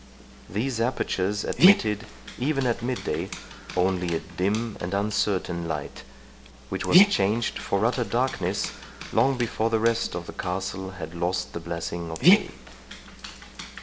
These apertures admitted, even at mid day, only a dim and uncertain light, which was changed for utter darkness long before the rest of the castle had lost the blessing of day.